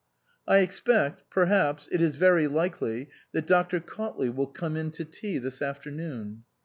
" I expect perhaps it is very likely that Dr. Cautley will come in to tea this afternoon."